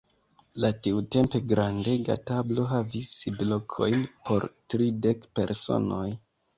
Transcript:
La tiutempe grandega tablo havis sidlokojn por tridek personoj.